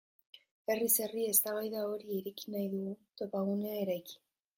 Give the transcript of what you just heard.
Herriz herri eztabaida hori ireki nahi dugu, topagunea eraiki.